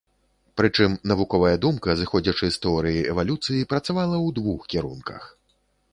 Прычым навуковая думка, зыходзячы з тэорыі эвалюцыі, працавала ў двух кірунках.